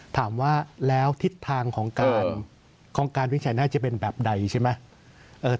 ถามว่าแล้วทิศทางของการวิจัยน่าจะเป็นแบบใดใช่ไหม